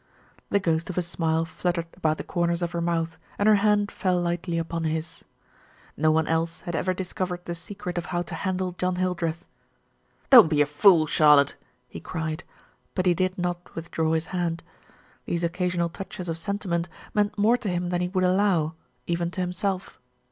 The ghost of a smile fluttered about the corners of her mouth, and her hand fell lightly upon his. No one else had ever discovered the secret of how to handle John Hildreth. "Don't be a fool, Charlotte!" he cried; but he did not withdraw his hand. These occasional touches of sentiment meant more to him than he would allow, even to himself.